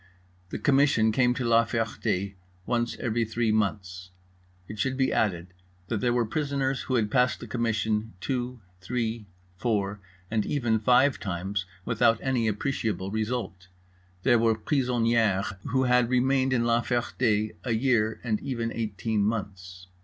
The Commission came to La Ferté once every three months. It should be added that there were prisoners who had passed the Commission, two, three, four, and even five times, without any appreciable result; there were prisonnierès who had remained in La Ferté a year, and even eighteen months.